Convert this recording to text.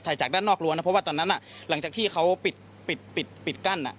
จากด้านนอกรั้วนะเพราะว่าตอนนั้นหลังจากที่เขาปิดปิดกั้น